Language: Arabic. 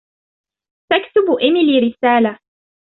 تكتب إيميلي رسالةً.